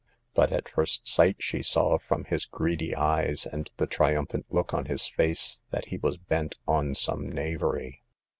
But at first sight she saw from his greedy eyes and the triumphant look on his face that he was bent on some knavery.